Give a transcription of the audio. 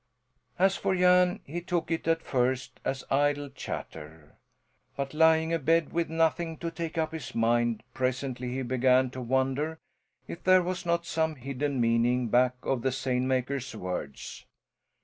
As for Jan, he took it at first as idle chatter. But lying abed, with nothing to take up his mind, presently he began to wonder if there was not some hidden meaning back of the seine maker's words.